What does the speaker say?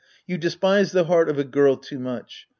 You despise the heart of a girl too much.